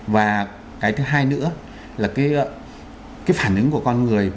và cái thứ hai nữa là cái phản ứng của con người